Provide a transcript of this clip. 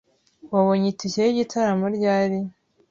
Wabonye itike yigitaramo ryari?